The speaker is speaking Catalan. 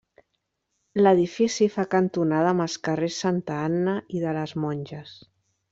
L'edifici fa cantonada amb els carrers Santa Anna i de les Monges.